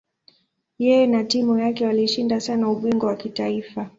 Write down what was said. Yeye na timu yake walishinda sana ubingwa wa kitaifa.